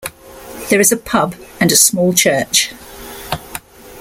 There is a pub and a small church.